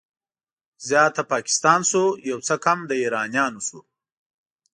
زيات د پاکستان شو، يو څه کم د ايرانيانو شو